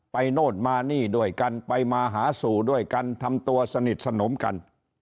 โน่นมานี่ด้วยกันไปมาหาสู่ด้วยกันทำตัวสนิทสนมกัน